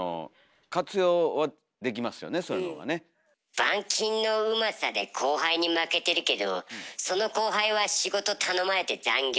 板金のうまさで後輩に負けてるけどその後輩は仕事頼まれて残業。